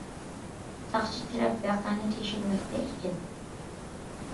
ساقچى تەرەپ ۋەقەنى تەكشۈرمەكتە ئىكەن.